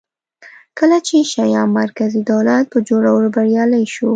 کله چې شیام مرکزي دولت په جوړولو بریالی شو